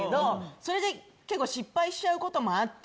それで結構失敗しちゃうこともあって。